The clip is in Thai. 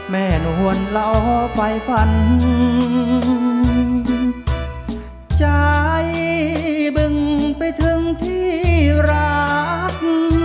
แม่หนวนล่อไฟฝันใจบึ่งไปถึงที่รัก